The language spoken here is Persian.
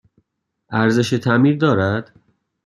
ارزش تعمیر دارد؟